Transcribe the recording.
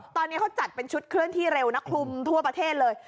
ตอนนี้เขาจัดเป็นชุดเคลื่อนที่เร็วนะคลุมทั่วประเทศเลย